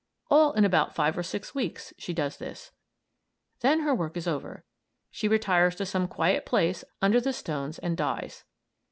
All in about five or six weeks, she does this. Then her work is over. She retires to some quiet place under the stones, and dies.